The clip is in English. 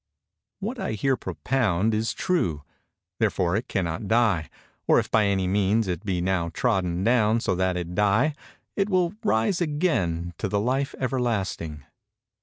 What I here propound is true:—therefore it cannot die:—or if by any means it be now trodden down so that it die, it will "rise again to the Life Everlasting."